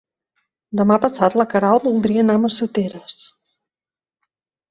Demà passat na Queralt voldria anar a Massoteres.